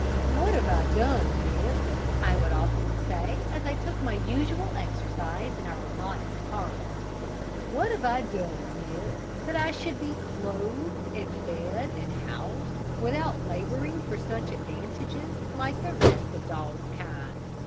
"What have I done, Nip?" I would often say, as I took my usual exercise in our modest parlour; "what have I done, Nip, that I should be clothed, and fed, and housed, without labouring for such advantages, like the rest of dog kind?